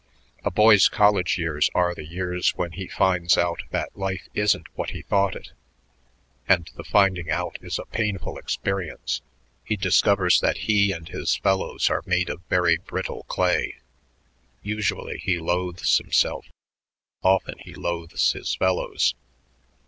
A boy's college years are the years when he finds out that life isn't what he thought it, and the finding out is a painful experience. He discovers that he and his fellows are made of very brittle clay: usually he loathes himself; often he loathes his fellows.